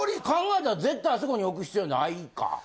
考えたら絶対あそこに置く必要ないか。